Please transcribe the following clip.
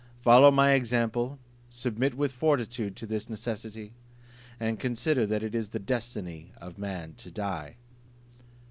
Follow my example, submit with fortitude to this necessity, and consider that it is the destiny of man to die."